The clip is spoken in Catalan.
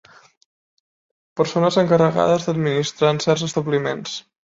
Persones encarregades d'administrar en certs establiments.